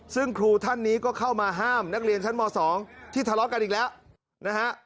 ซึ่งครูท่านนี้ก็เข้ามาห้ามนักเรียนชั้นม๒ที่ทะเลาะกันอีกแล้วนะฮะ